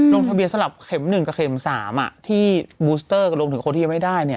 ลงทะเบียนสำหรับเข็มหนึ่งกับเข็มสามอ่ะที่ลงถือโค้ดที่ยังไม่ได้เนี้ย